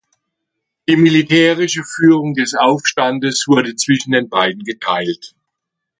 Die militärische Führung des Aufstandes wurde zwischen den beiden geteilt.